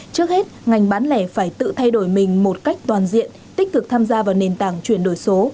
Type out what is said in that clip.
trước hết ngành bán lẻ phải tự thay đổi mình một cách toàn diện tích cực tham gia vào nền tảng chuyển đổi số